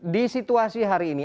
di situasi hari ini